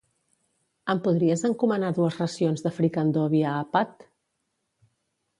Em podries encomanar dues racions de fricandó via Appat?